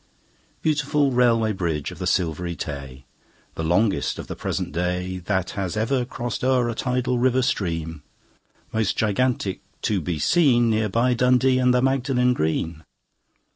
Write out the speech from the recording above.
Beautiful Railway Bridge of the Silvery Tay! The longest of the present day That has ever crossed o'er a tidal river stream, Most gigantic to be seen, Near by Dundee and the Magdalen Green.